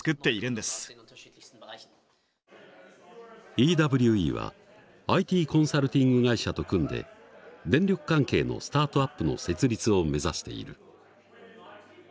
ＥＷＥはＩＴコンサルティング会社と組んで電力関係のスタートアップの設立を目指している。